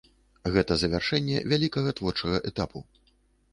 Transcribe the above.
Гэта завяршэнне вялікага творчага этапу.